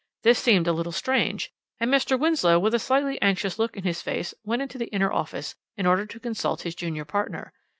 This seemed a little strange, and Mr. Winslow, with a slightly anxious look in his face, went into the inner office in order to consult his junior partner.